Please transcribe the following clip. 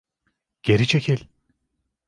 Geri çekil!